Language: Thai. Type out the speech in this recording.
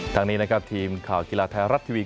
ทางนี้นะครับทีมข่าวกีฬาไทยรัฐทีวี